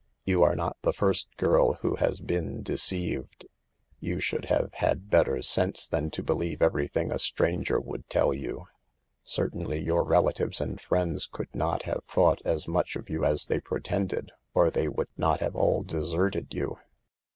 You are not the first girl who has been deceived. You should have had better sense than to believe every thing a stranger would tell you. Certainly 86 SAVE THE GIBLS. your relatives and friends could not have thought as much of you as they pretended, or they would not have all deserted you."